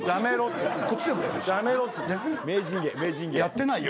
やってないよ